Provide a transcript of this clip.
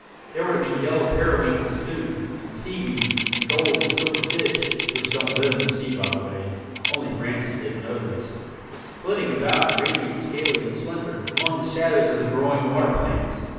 There were to be yellow periwinkles too, and seaweeds, and gold and silver fish (which don't live in the sea by the way, only Francis didn't know this), flitting about in radiant scaly splendor, among the shadows of the growing water plants.